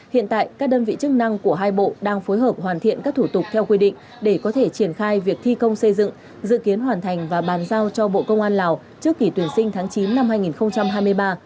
hiện tại các đơn vị chức năng của hai bộ đang phối hợp hoàn thiện các thủ tục theo quy định để có thể triển khai việc thi công xây dựng dự kiến hoàn thành và bàn giao cho bộ công an lào trước kỳ tuyển sinh tháng chín năm hai nghìn hai mươi ba